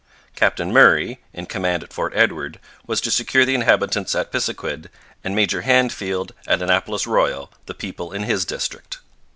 Captain Murray, in command at Fort Edward, was to secure the inhabitants of Pisiquid, and Major Handfield, at Annapolis Royal, the people in his district.